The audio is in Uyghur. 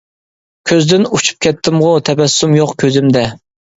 كۆزدىن ئۇچۇپ كەتتىمغۇ، تەبەسسۇم يوق كۆزۈمدە.